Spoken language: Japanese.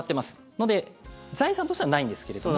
なので財産としてはないんですけれども。